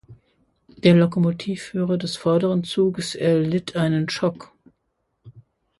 Der Lokomotivführer des vorderen Zuges erlitt einen Schock.